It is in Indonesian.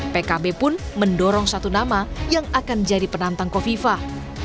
pkb pun mendorong satu nama yang akan jadi penantang kofifah